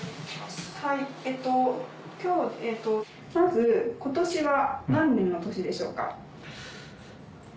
まず今年は何年の年でしょうか？